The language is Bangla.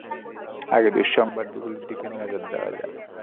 আগে, দুঃসংবাদগুলোর দিকে নজর দেয়া যাক।